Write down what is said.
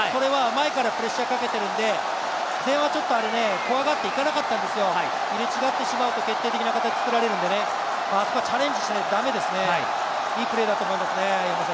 前からプレッシャーをかけているので、前半、怖がって行かなかったんですよ、入れ違ってしまうと決定的になってしまうのであそこはチャレンジしないと駄目ですね、いいプレーだと思いますね。